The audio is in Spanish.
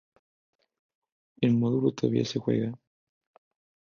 El módulo todavía se juega.